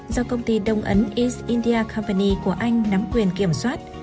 do công ty đông ấn east india company của anh nắm quyền kiểm soát